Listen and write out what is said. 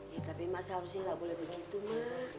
ya tapi emang seharusnya gak boleh begitu mu